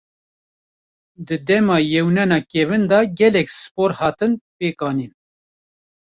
Di dema Yewnana kevin de gelek Spor hatin pêk anîn.